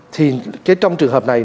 thì trong trường hợp này